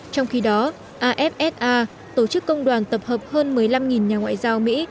trong khi đó afsa tổ chức công đoàn tập hợp hơn một mươi năm nhà ngoại giao mỹ